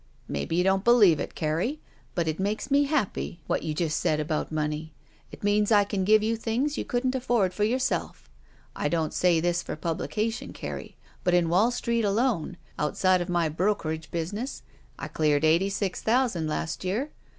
"Maybe you don't believe it, Carrie, but it makes 17 SHE WALKS IN BEAUTY me happy what you just said about money. It means I can give you things you couldn't afford for yourself. I don't say this for publication, Carrie, but in Wall Street alone, outside of my brokerage business, I cleared eighty six thousand last year.